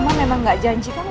mama gak dateng aja ma